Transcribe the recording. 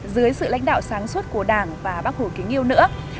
dưới sự lãnh đạo sáng suốt của đảng và bác hồ kính yêu nữa